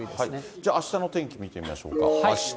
じゃあ、あしたの天気見てみましょうか。